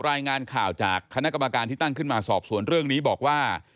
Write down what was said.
รายงานข่าวจากคณะกรรมการที่ตั้งขึ้นมาสอบสวนเรื่องนี้บอกว่า